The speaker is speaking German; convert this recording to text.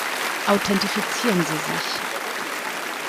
Authentifizieren Sie sich!